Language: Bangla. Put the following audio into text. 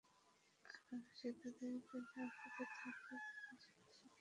এখন সে তাদেরকে না চুদে থাকলে, তাদের সাথে সে করছিলটা কী?